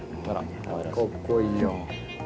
かっこいいやん。